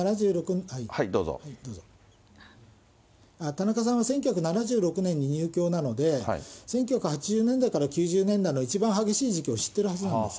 田中さんは１９７６年に入教なので、１９８０年から９０年代の一番激しい時期を知ってるはずなんです。